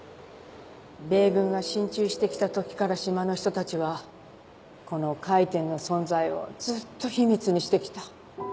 米軍が進駐して来た時から島の人たちはこの回天の存在をずっと秘密にして来た。